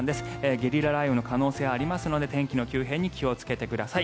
ゲリラ雷雨の可能性ありますので天気の急変に気をつけてください。